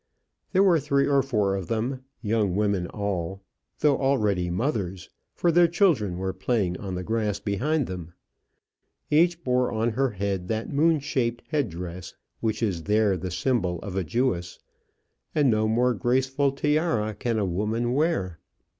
There were three or four of them, young women all, though already mothers, for their children were playing on the grass behind them. Each bore on her head that moon shaped head dress which is there the symbol of a Jewess; and no more graceful tiara can a woman wear.